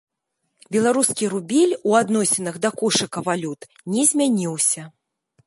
Беларускі рубель у адносінах да кошыка валют не змяніўся.